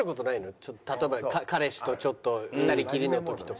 ちょっと例えば彼氏とちょっと２人きりの時とか。